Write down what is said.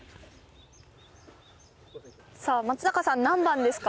さあ松坂さん何番ですか？